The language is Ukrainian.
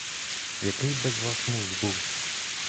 Який би з вас муж був?